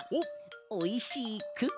おいしいクッキー！